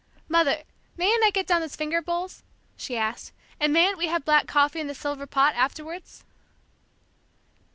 "Mother, mayn't I get down the finger bowls," she asked; "and mayn't we have black coffee in the silver pot, afterwards?"